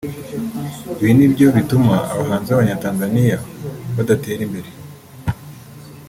“Ibi ni byo bituma abahanzi b’Abanyatanzania badatera imbere